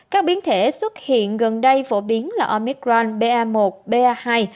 các biến thể xuất hiện gần đây phổ biến là omicron ba một ba hai